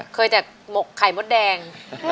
เคยจากหมกไข่มดแดง